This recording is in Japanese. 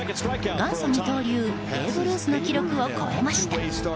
元祖二刀流ベーブ・ルースの記録を超えました。